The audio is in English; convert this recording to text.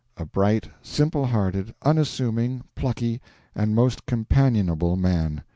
A bright, simple hearted, unassuming, plucky, and most companionable man.